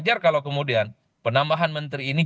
supaya keinginan keinginan untuk menjadikan indonesia lebih baik